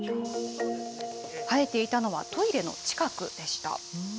生えていたのは、トイレの近くでした。